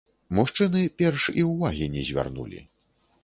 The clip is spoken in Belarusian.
Мужчыны перш і ўвагі не звярнулі.